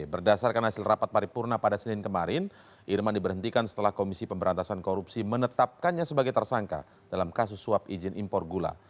berdasarkan hasil rapat paripurna pada senin kemarin irman diberhentikan setelah komisi pemberantasan korupsi menetapkannya sebagai tersangka dalam kasus suap izin impor gula